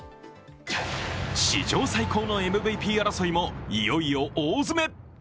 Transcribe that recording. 史上最高のＭＶＰ争いもいよいよ大詰め。